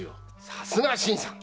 さすが新さん！